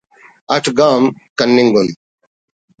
اٹ گام کننگ اُن